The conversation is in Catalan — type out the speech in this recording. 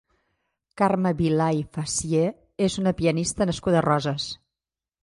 Carme Vilà i Fassier és una pianista nascuda a Roses.